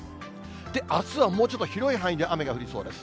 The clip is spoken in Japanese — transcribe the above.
あすはもうちょっと広い範囲で雨が降りそうです。